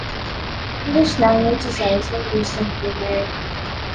English language is also used in Brunei.